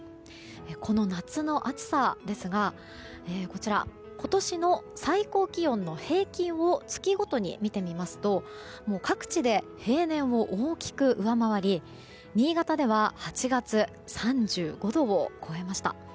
この夏の暑さですが今年の最高気温の平均を月ごとに見てみますと各地で平年を大きく上回り新潟では８月３５度を超えました。